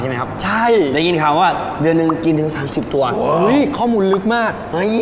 เหมือนกับคนชอบบอกกินปลาแล้วจะฉลาด